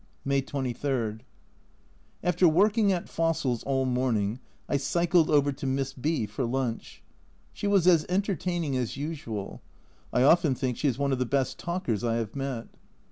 May 23. After working at fossils all morning, I cycled over to Miss B for lunch. She was as entertaining as usual. I often think she is one of the best talkers I have met.